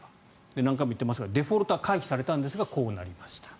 何回も言っていますがデフォルトは回避されたんですがこうなりました。